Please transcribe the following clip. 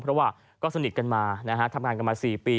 เพราะว่าก็สนิทกันมานะฮะทำงานกันมา๔ปี